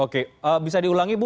oke bisa diulangi bu